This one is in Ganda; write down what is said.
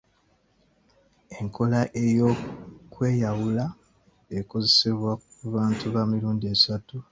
Enkola ey’okweyawula ekozesebwa ku bantu ba mirundi esatu.